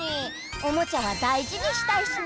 おもちゃはだいじにしたいしな。